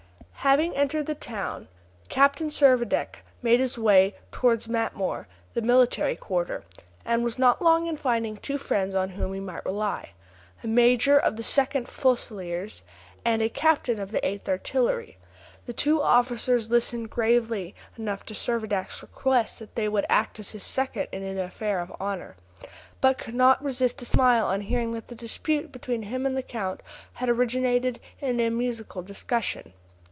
Having entered the town, Captain Servadac made his way towards Matmore, the military quarter, and was not long in finding two friends on whom he might rely a major of the 2nd Fusileers, and a captain of the 8th Artillery. The two officers listened gravely enough to Servadac's request that they would act as his seconds in an affair of honor, but could not resist a smile on hearing that the dispute between him and the count had originated in a musical discussion.